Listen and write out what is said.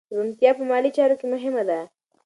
روڼتیا په مالي چارو کې مهمه ده.